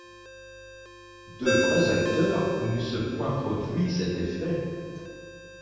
De vrais acteurs n'eussent point produit cet effet.